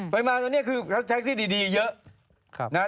ไปมาตรงนี้คือแท็กซี่ดีเยอะนะฮะ